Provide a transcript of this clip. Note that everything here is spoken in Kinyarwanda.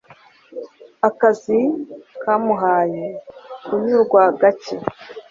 Akazi kamuhaye kunyurwa gake